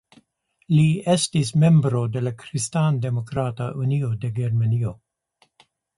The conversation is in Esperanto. Li estis membro de la Kristandemokrata Unio de Germanio.